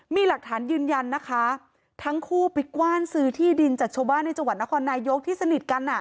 มีหลักฐานยืนยันนะคะทั้งคู่ไปกว้านซื้อที่ดินจากชาวบ้านในจังหวัดนครนายกที่สนิทกันอ่ะ